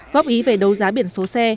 góp ý về đấu giá biển sách